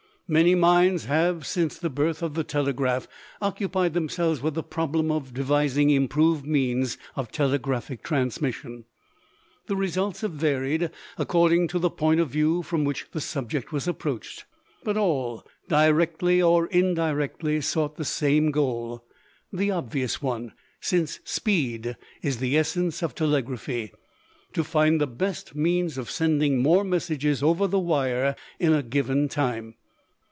Many minds have, since the birth of the telegraph, occupied themselves with the problem of devising improved means of telegraphic transmission. The results have varied according to the point of view from which the subject was approached, but all, directly or indirectly, sought the same goal (the obvious one, since speed is the essence of telegraphy), to find the best means of sending more messages over the wire in a given time.